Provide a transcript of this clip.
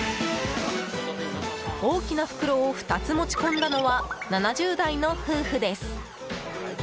大きな袋を２つ持ち込んだのは７０代の夫婦です。